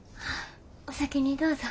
お先にどうぞ。